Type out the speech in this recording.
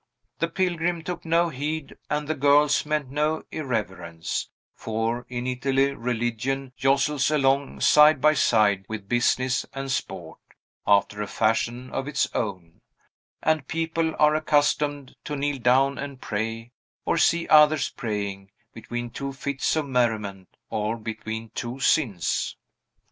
The pilgrim took no heed, and the girls meant no irreverence; for in Italy religion jostles along side by side with business and sport, after a fashion of its own, and people are accustomed to kneel down and pray, or see others praying, between two fits of merriment, or between two sins.